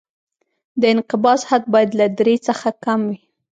د انقباض حد باید له درې څخه کم وي